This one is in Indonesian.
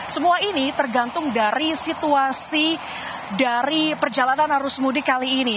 semua ini tergantung dari situasi dari perjalanan arus mudik kali ini